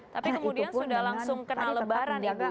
tapi kemudian sudah langsung kena lebaran ibu